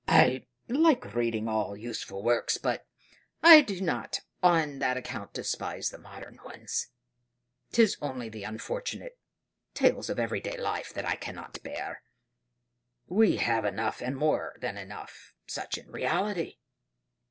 "I like reading all useful works; but I do not on that account despise the modern ones; 'tis only the unfortunate 'Tales of Every day Life' that I cannot bear we have enough and more than enough such in reality."